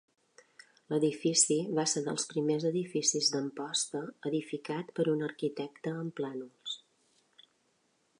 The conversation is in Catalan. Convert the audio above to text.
L'edifici va ser dels primers edificis d'Amposta edificat per un arquitecte amb plànols.